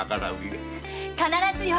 必ずよ！